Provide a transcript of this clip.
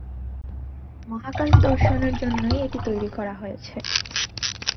মহাকাশ দর্শনের জন্যই এটি তৈরি করা হয়েছে।